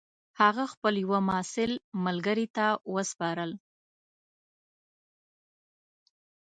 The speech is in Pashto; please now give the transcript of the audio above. هغه خپل یوه محصل ملګري ته وسپارل.